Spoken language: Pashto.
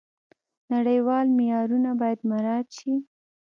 نړیوال معیارونه باید مراعات شي.